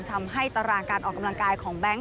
ตารางการออกกำลังกายของแบงค์